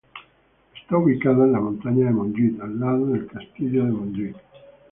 Está ubicada en la montaña de Montjuïc, al lado del Castillo de Montjuïc.